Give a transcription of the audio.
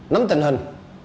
nắm tình hình